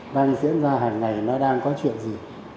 đang diễn ra hàng ngày nó đang có chuyện gì